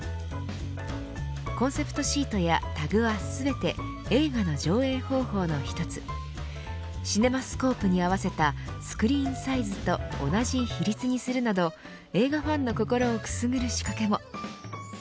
コンセプトシートやタグは全て映画の上映方法の１つシネマスコープに合わせたスクリーンサイズと同じ比率にするなど映画ファンの心をくすぐる仕掛けも。